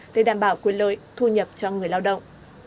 để đảm bảo quyền lợi thu nhập cho người lao động